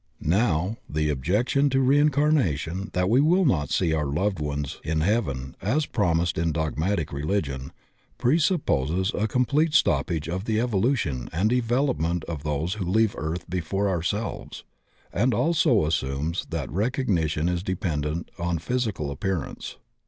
Now, the objection to reincarna tion that we will not see our loved ones in heaven as promised in dogmatic religion, presupposes a complete stoppage of the evolution ami development of diose who leave earth before ourselves, and also assumes that recognition is dependent on physical appearance.